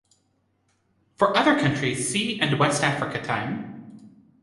For other countries see and West Africa Time.